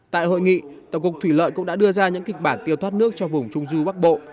tại hội nghị tổng cục thủy lợi cũng đã đưa ra những kịch bản tiêu thoát nước cho vùng trung du bắc bộ